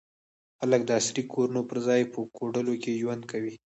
خلک د عصري کورونو پر ځای په کوډلو کې ژوند کوي.